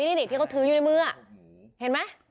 นี่ที่เขาถืออยู่ในมือเห็นไหม